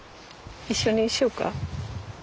一緒にしようか。